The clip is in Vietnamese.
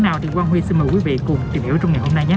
nào thì quang huy xin mời quý vị cùng tìm hiểu trong ngày hôm nay nhé